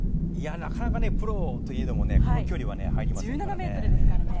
なかなかプロといえどもこの距離は入りませんからね。